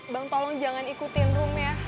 bang tolong jangan ikutin room ya